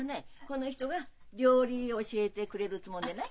この人が料理教えてくれるっつうもんでね。